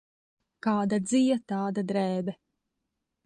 Kāda dzija, tāda drēbe.